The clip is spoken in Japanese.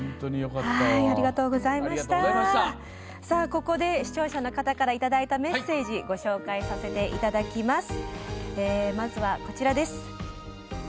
ここで視聴者の方からいただいたメッセージをご紹介させていただきます。